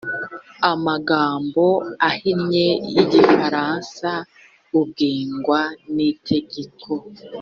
magambo ahinnye y igifaransa ugengwa n itegeko